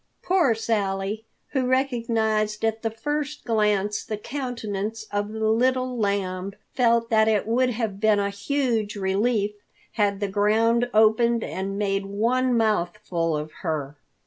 Poor Sally, who recognized at the first glance the countenance of the Little Lamb, felt that it would have been a huge relief had the ground opened and made one mouthful of her.